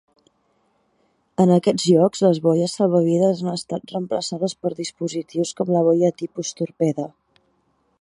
En aquests llocs, les boies salvavides han estat reemplaçades per dispositius com la boia tipus torpede.